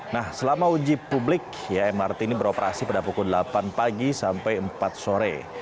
nah selama uji publik ya mrt ini beroperasi pada pukul delapan pagi sampai empat sore